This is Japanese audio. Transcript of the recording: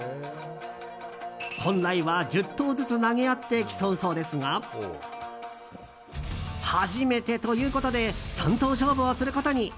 本来は１０投ずつ投げ合って競うそうですが初めてということで３投勝負をすることに。